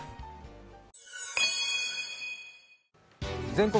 「全国！